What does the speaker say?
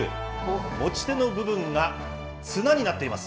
持ち手の部分が綱になっています。